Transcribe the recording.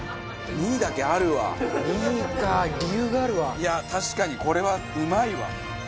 いや確かにこれはうまいわ。